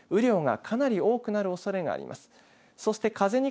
雨量がかなり多くなるおそれがあります。